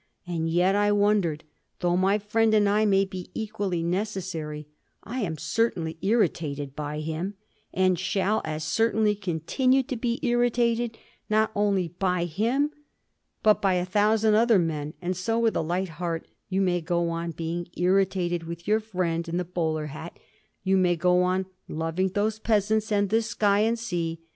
"And yet," I wondered, "though my friend and I may be equally necessary, I am certainly irritated by him, and shall as certainly continue to be irritated, not only by him, but by a thousand other men and so, with a light heart, you may go on being irritated with your friend in the bowler hat, you may go on loving those peasants and this sky and sea.